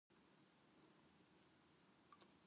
蝉の鳴き声を聞くと、「ああ、夏が来たな」って感じがする。